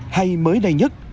hay mới đây nhất